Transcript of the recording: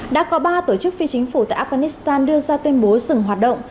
đã có ba tổ chức phi chính phủ tại afghanistan đưa ra tuyên bố dừng hoạt động